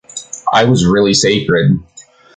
I was really sacred!